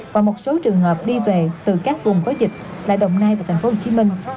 và một số trường hợp đi về từ các vùng có dịch là đồng nai và thành phố hồ chí minh